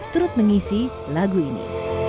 turut mengisi lagu ini